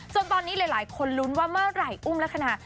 ตอนนี้หลายคนลุ้นว่าเมื่อไหร่อุ้มลักษณะ